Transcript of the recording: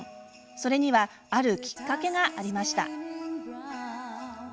それにはあるきっかけがありました。